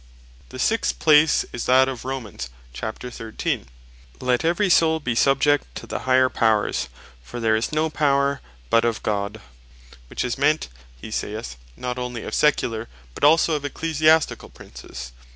The sixt place is that of Rom. 13. "Let every Soul be subject to the Higher Powers, for there is no Power but of God;" which is meant, he saith not onely of Secular, but also of Ecclesiasticall Princes.